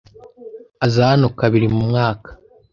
Aza hano kabiri mu mwaka.